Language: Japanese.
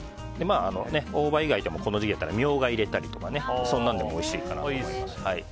大葉以外でもこの時期だったらミョウガを入れたりでもおいしいかなと思います。